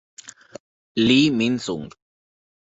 Lee Min-sung